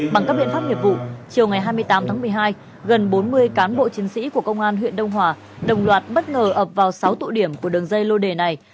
bằng các biện pháp nghiệp vụ chiều ngày hai mươi tám tháng một mươi hai gần bốn mươi cán bộ chiến sĩ của công an huyện đông hòa đồng loạt bất ngờ ập vào sáu tụ điểm của đường dây lô đề này